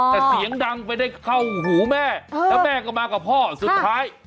แต่เสียงดังไปได้เข้าหูแม่แล้วแม่ก็มากับพ่อสุดท้าย